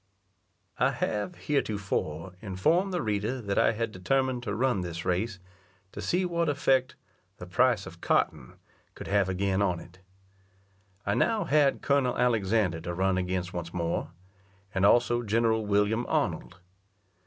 I have, heretofore, informed the reader that I had determined to run this race to see what effect the price of cotton could have again on it. I now had Col. Alexander to run against once more, and also General William Arnold.